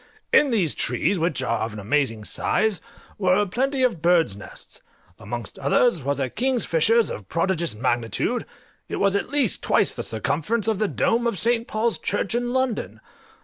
In these trees, which are of an amazing size, were plenty of birds' nests; amongst others was a king fisher's of prodigious magnitude; it was at least twice the circumference of the dome of St. Paul's Church in London.